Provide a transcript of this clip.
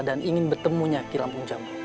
dan ingin bertemunya kilampung jamu